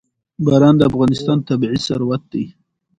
باران د افغانستان طبعي ثروت دی.